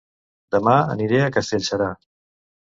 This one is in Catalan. Dema aniré a Castellserà